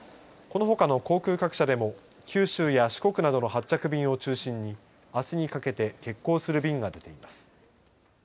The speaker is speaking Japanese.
このほかの航空各社でも九州や四国などの発着便を中心にあすにかけて欠航する便が出ています。